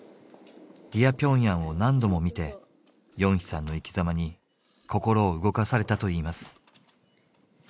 「ディア・ピョンヤン」を何度も見てヨンヒさんの生きざまに心を動かされたと言います。